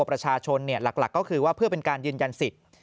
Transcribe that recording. ประชาชนหลักก็คือว่าเพื่อเป็นการยืนยันสิทธิ์